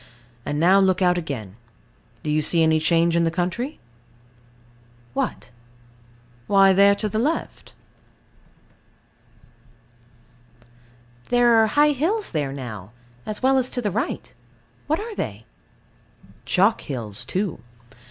And now, look out again. Do you see any change in the country? What? Why, there to the left. There are high hills there now, as well as to the right. What are they? Chalk hills too.